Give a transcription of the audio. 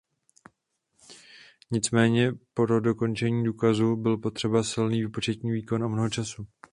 Nicméně pro dokončení důkazu byl potřeba silný výpočetní výkon a mnoho času.